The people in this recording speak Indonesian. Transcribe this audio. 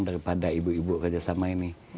daripada ibu ibu kerjasama ini